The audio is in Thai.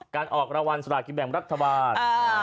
อ๋อการออกรวรรณสลากินแบ่งรัฐบาล